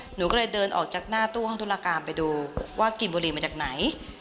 หนูก็เลยเดินออกจากหน้าตู้ห้องธุรการไปดูว่ากลิ่นบุหรี่มาจากไหน